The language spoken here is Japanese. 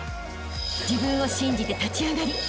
［自分を信じて立ち上がりあしたへ